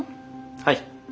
はい。